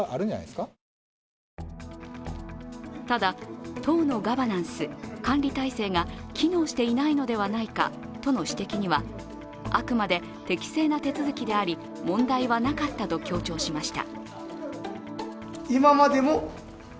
ただ、党のガバナンス＝管理体制が機能していないのではないかとの指摘には、あくまで適正な手続きであり、問題はなかったと強調しました。